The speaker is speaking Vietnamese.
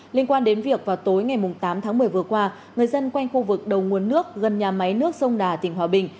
liên quan đến việc vào tối ngày tám tháng một mươi vừa qua người dân quanh khu vực đầu nguồn nước gần nhà máy nước sông đà tỉnh hòa bình